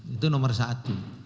itu nomor satu